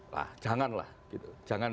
nah janganlah gitu